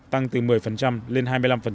tăng từ một mươi lên hai mươi năm